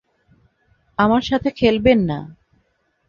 আমার সাথে খেলবেন না।